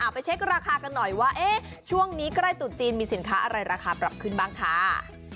ไปเช็คราคากันหน่อยว่าช่วงนี้ใกล้จุดจีนมีสินค้าอะไรราคาปรับขึ้นบ้างค่ะ